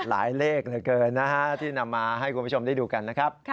เลขเหลือเกินนะฮะที่นำมาให้คุณผู้ชมได้ดูกันนะครับ